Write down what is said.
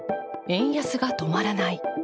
円安が止まらない。